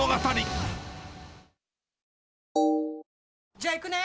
じゃあ行くね！